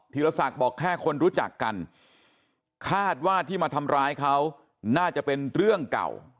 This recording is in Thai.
ีรศักดิ์บอกแค่คนรู้จักกันคาดว่าที่มาทำร้ายเขาน่าจะเป็นเรื่องเก่า